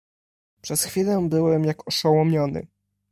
"Przez chwilę byłem, jak oszołomiony."